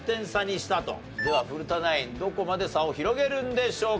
では古田ナインどこまで差を広げるんでしょうか？